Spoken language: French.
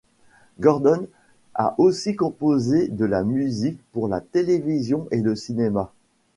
Gordon a aussi composé de la musique pour la télévision et le cinéma.